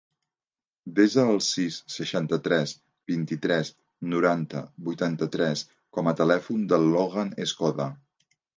Desa el sis, seixanta-tres, vint-i-tres, noranta, vuitanta-tres com a telèfon del Logan Escoda.